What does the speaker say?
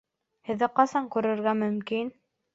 Һеҙҙе ҡасан күрергә мөмкин?